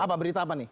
apa berita apa nih